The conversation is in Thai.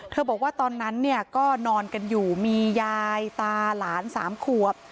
เธอบอกว่าตอนนั้นก็นอนกันอยู่มียายตาหลาน๓ควบ